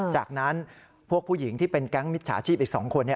จากนั้นพวกผู้หญิงที่เป็นแก๊งมิจฉาชีพอีก๒คน